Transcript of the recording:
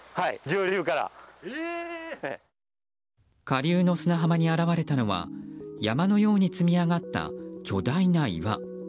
下流の砂浜に現れたのは山のように積みあがった巨大な岩。